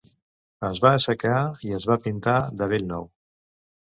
Es va assecar i es va pintar de bell nou.